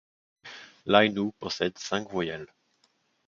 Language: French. L'aïnou possède cinq voyelles.